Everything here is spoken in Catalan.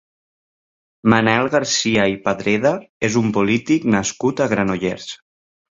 Manel Garcia i Padreda és un polític nascut a Granollers.